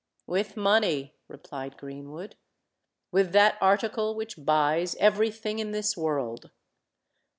"With money," replied Greenwood: "with that article which buys every thing in this world!"